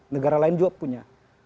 negara lain juga punya